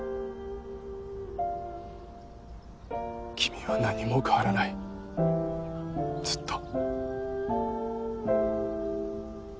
君は何も変わらないずっと。